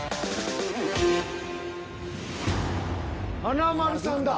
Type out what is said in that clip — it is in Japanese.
華丸さんだ。